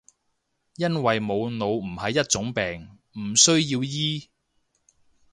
因為冇腦唔係一種病，唔需要醫